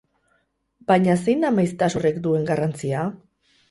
Baina zein da maiztasun horrek duen garrantzia?